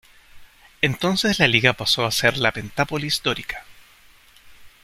Entonces la liga pasó a ser la Pentápolis dórica.